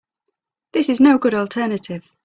This no good alternative.